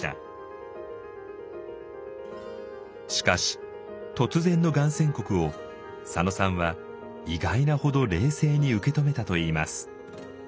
しかし突然のがん宣告を佐野さんは意外なほど冷静に受け止めたといいます。